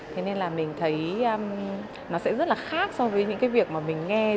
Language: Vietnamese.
thế nên là mình thấy nó sẽ rất là khác so với những cái việc mà mình nghe